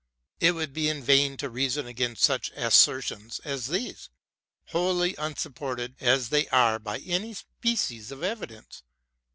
It would be in vain to reason against such assertions as these, wholly unsupported as they are by any species of evidence.